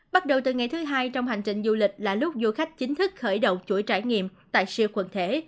bắt đầu từ ngày thứ hai trong hành trình du lịch là lúc du khách chính thức khởi động chuỗi trải nghiệm tại siêu quần thể